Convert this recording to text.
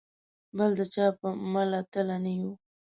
بل د چا په مله تله نه یو.